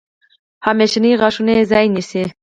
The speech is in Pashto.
همیشني غاښونه یې ځای نیسي.